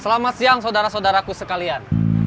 selamat siang saudara saudaraku sekalian